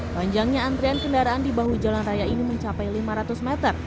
panjangnya antrian kendaraan di bahu jalan raya ini mencapai lima ratus meter